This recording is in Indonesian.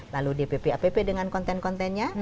lalu dpp app dengan konten kontennya